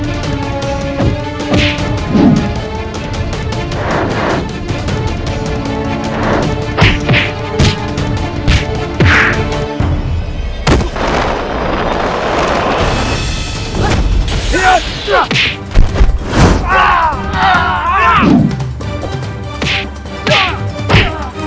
aku terpaksa harus tanyamu